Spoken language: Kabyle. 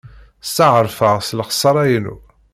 Steɛṛfeɣ s lexṣara-inu.